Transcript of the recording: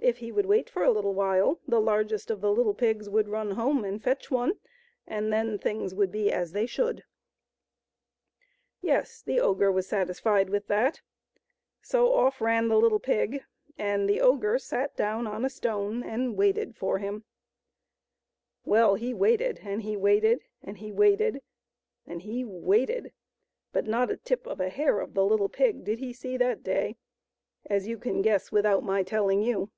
If he would wait for a little while, the largest of the little pigs would run home and fetch one, and then things would be as they should. Yes, the ogre was satisfied with that. So of! ran the little pig, and the ogre sat down on a stone and waited for him. Well, he waited and he waited and he waited and he waited, but not a tip of a hair of the little pig did he see that day, as you can guess without my telling you.